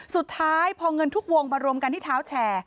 สุดท้ายพอเงินทุกวงมารวมกันที่เท้าแชร์